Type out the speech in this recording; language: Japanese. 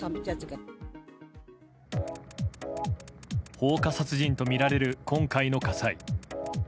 放火殺人とみられる今回の火災。